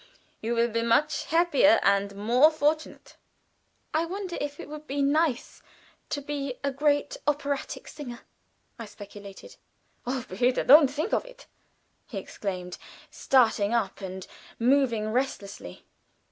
You will be much happier and more fortunate." "I wonder if it would be nice to be a great operatic singer," I speculated. "O, behüte! don't think of it!" he exclaimed, starting up and moving restlessly.